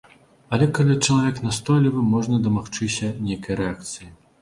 Але калі чалавек настойлівы, можна дамагчыся нейкай рэакцыі.